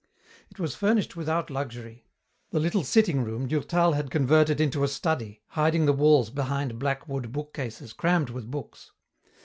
It was furnished without luxury. The little sitting room Durtal had converted into a study, hiding the walls behind black wood bookcases crammed with books.